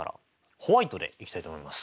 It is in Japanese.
ホワイトでいきたいと思います。